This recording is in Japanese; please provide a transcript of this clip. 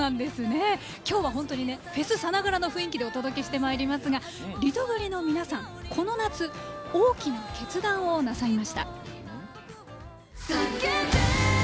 今日は本当にフェスさながらの雰囲気でお届けしてまいりますがリトグリの皆さん、この夏大きな決断をなさいました。